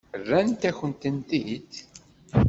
Rrant-akent-tent-id?